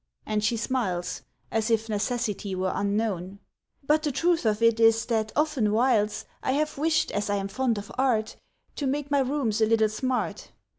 And she smiles As if necessity were unknown; "But the truth of it is that oftenwhiles I have wished, as I am fond of art, To make my rooms a little smart."